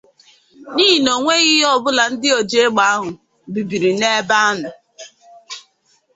n'ihi na o nweghị ihe ọbụla ndị ojiegbe ahụ bibiri n'ebe ahụ.